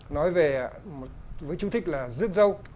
nói về với chú thích là rước dâu